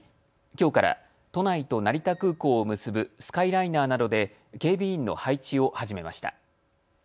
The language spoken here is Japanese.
きょうから都内と成田空港を結ぶスカイライナーなどで警備員の配置を始めました。